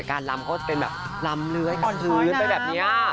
แต่การรำก็เป็นแบบรำเลื้อยกันซื้น